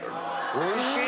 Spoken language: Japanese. おいしい！